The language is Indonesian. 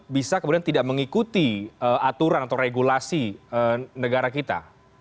bisa kemudian tidak mengikuti aturan atau regulasi negara kita